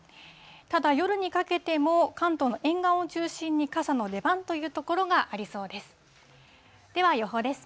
ただ、夜にかけても関東の沿岸を中心に傘の出番という所がありそうです。